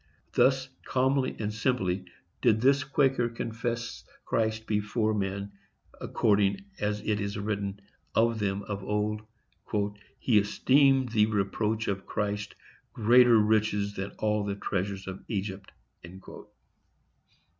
Thus calmly and simply did this Quaker confess Christ before men, according as it is written of them of old,—"He esteemed the reproach of Christ greater riches than all the treasures of Egypt."